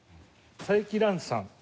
佐伯藍さん。